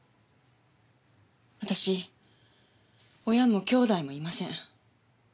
私親も兄弟もいません。